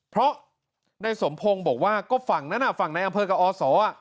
เพราะนายสมพงศ์บอกว่าก็ฝั่งนั้นฝั่งในอำเภอกับอศ